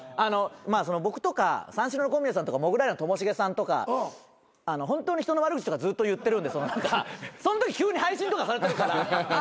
僕とか三四郎の小宮さんとかモグライダーのともしげさんとかホントに人の悪口とかずっと言ってるんでそんとき急に配信とかされてるから危ない。